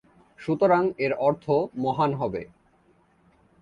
সুতরাং এর অর্থ "মহান" হবে।